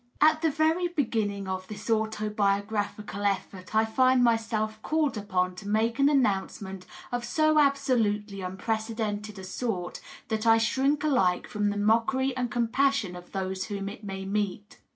III. At the very b^inning of this autobiographical effort I find myself called upon to make an announcement of so absolutely unprecedented a sort that I shrink alike from the mockery and compassion of those whom it may meet.